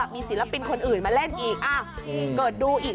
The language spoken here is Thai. มาเล่นอีกอ้าวเกิดดูอีก